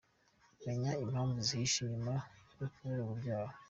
Menya impamvu zihishe inyuma yo kubura urubyaro.